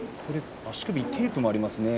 足首にテープもありますね